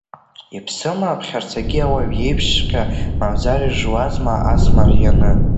Иԥсыма аԥхьарцагьы ауаҩ иеиԥшҵәҟьа, мамзар иржуазма ас марианы?!